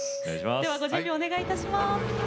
ではご準備をお願いいたします。